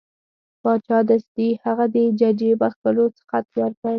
باچا دستي هغه د ججې بخښلو خط ورکړ.